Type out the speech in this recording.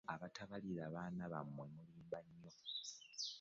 Abatabalirira baana bammwe mulimba nnyo.